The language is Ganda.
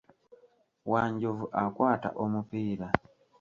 Wanjovu akwata omupiira.